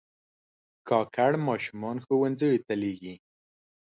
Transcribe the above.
کاکړ ماشومان ښوونځیو ته لېږي.